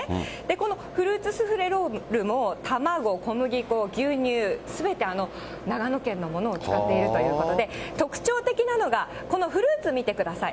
このフルーツスフレロールも、卵、小麦粉、牛乳、すべて長野県のものを使っているということで、特徴的なのが、このフルーツ見てください。